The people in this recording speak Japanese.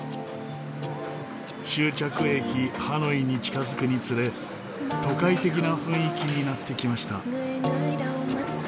終着駅ハノイに近づくにつれ都会的な雰囲気になってきました。